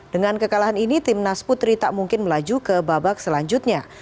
dengan kekalahan ini tim nas putri tak mungkin melaju ke babak selanjutnya